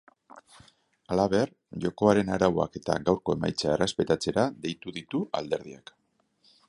Halaber, jokoaren arauak eta gaurko emaitza errespetatzera deitu ditu alderdiak.